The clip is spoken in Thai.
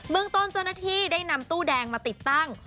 เมืองต้นเจ้าหน้าที่ได้นำตู้แดงมาติดตั้ง